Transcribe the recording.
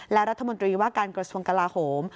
และรัฐมนตรีว่าการกระทรวงกลาโหม